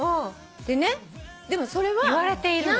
でねでもそれは。いわれているの？